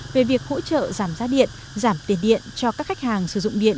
về việc hỗ trợ giảm giá điện giảm tiền điện cho các khách hàng sử dụng điện